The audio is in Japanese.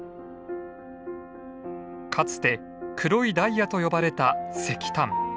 かつて黒いダイヤと呼ばれた石炭。